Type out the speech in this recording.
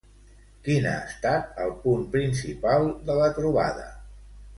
Quin ha estat el punt principal de la trobada?